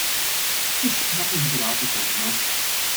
S'issa aħna mhux bravi konna.